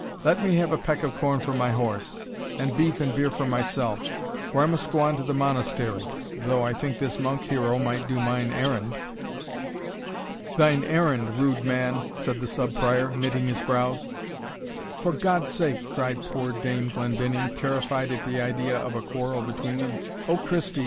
Let me have a peck of corn for my horse, and beef and beer for myself, for I must go on to the Monastery though I think this monk hero might do mine errand." "Thine errand, rude man!" said the Sub Prior, knitting his brows "For God's sake" cried poor Dame Glendinning, terrified at the idea of a quarrel between them, "O Christie!